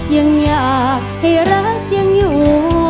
ยังอยากให้รักยังอยู่